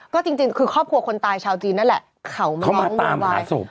ก็จริงคือครอบครัวคนตายชาวจีนนั่นแหละเขามาตามหาศพ